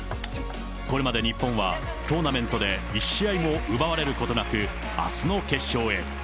これまで日本はトーナメントで１試合も奪われることなく、あすの決勝へ。